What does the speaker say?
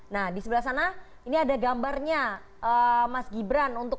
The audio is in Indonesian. nah di sebelah sana ini ada gambarnya mas gibran untuk dua ribu dua puluh